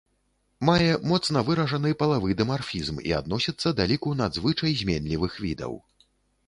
Мае моцна выражаны палавы дымарфізм і адносіцца да ліку надзвычай зменлівых відаў.